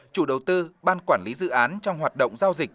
chủ đầu tư ban quản lý dự án trong hoạt động giao dịch